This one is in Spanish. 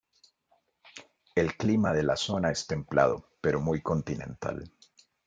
El clima de la zona es templado, pero muy continental.